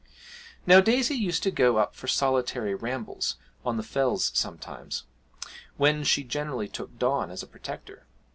Now Daisy used to go up for solitary rambles on the fells sometimes, when she generally took Don as a protector.